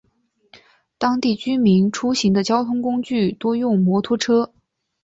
当地居民出行的交通工具多用摩托车。